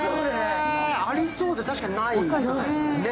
ありそうで確かにないね。